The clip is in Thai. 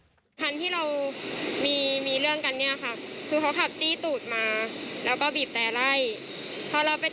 แฟนก็เลยบอกพี่ก็ไปตายซิ